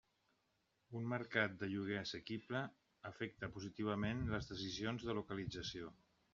Un mercat de lloguer assequible afecta positivament les decisions de localització.